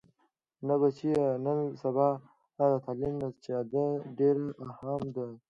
نه بچيه نن سبا د تعليم نه جهاد ډېر اهم دې.